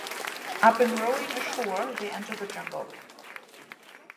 Upon rowing ashore, they enter the jungle.